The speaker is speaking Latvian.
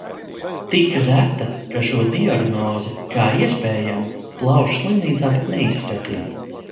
Tik reta, ka šo diagnozi kā iespējamu plaušu slimnīcā pat neizskatīja.